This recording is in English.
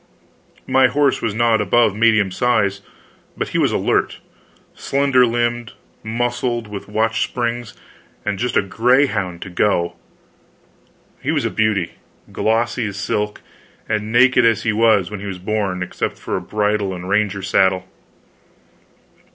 My horse was not above medium size, but he was alert, slender limbed, muscled with watchsprings, and just a greyhound to go. He was a beauty, glossy as silk, and naked as he was when he was born, except for bridle and ranger saddle.